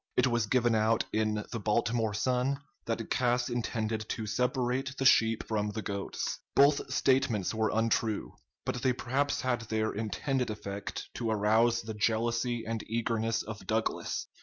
It was given out in the "Baltimore Sun" that Cass intended to "separate the sheep from the goats." Both statements were untrue; but they perhaps had their intended effect, to arouse the jealousy and eagerness of Douglas.